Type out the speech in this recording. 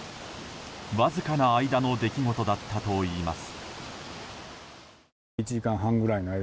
わずかな間の出来事だったといいます。